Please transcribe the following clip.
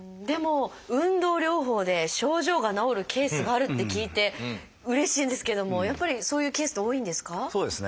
でも運動療法で症状が治るケースがあるって聞いてうれしいんですけどもやっぱりそういうケースって多いんですか？